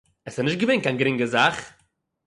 עס איז נישט געווען קיין גרינגע זאַך